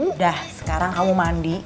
udah sekarang kamu mandi